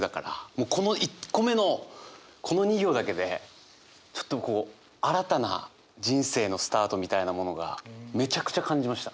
もうこの一個目のこの２行だけでちょっとこう新たな人生のスタートみたいなものがめちゃくちゃ感じました。